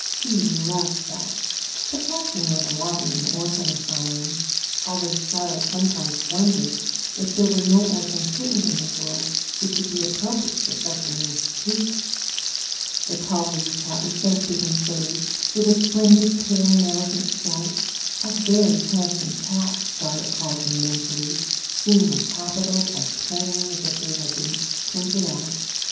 She loved cats, but cats were not allowed in an orphan asylum, although Charlotte sometimes wondered if there were no orphan kittens in the world which would be appropriate for such an institution. The Tall Lady's cat was so big and furry, with a splendid tail and elegant stripes. A Very Handsome Cat, Charlotte called him mentally, seeing the capitals as plainly as if they had been printed out.